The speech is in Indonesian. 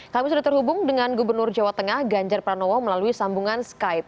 kami sudah terhubung dengan gubernur jawa tengah ganjar pranowo melalui sambungan skype